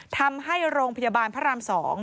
ทำให้โรงพยาบาลพระราม๒